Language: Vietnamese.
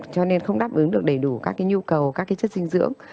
cho nên không đáp ứng được đầy đủ các cái nhu cầu các cái chất dinh dưỡng